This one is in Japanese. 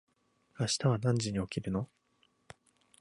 明日は何時に起きるの？